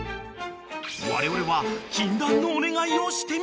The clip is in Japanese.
［われわれは禁断のお願いをしてみた］